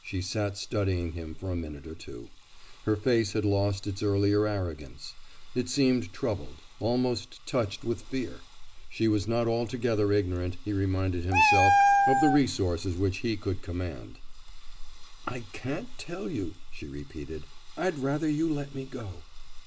She sat studying him for a minute or two. Her face had lost its earlier arrogance. It seemed troubled; almost touched with fear. She was not altogether ignorant, he reminded himself, of the resources which he could command. "I can't tell you," she repeated. "I'd rather you let me go."